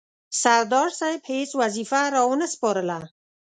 سردار صاحب هیڅ وظیفه را ونه سپارله.